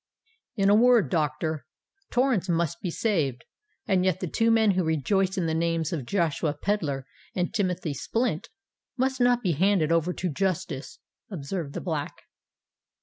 "In a word, doctor, Torrens must be saved; and yet the two men, who rejoice in the names of Joshua Pedler and Timothy Splint, must not be handed over to justice," observed the Black.